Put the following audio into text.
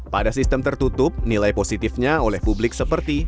pada sistem tertutup nilai positifnya oleh publik seperti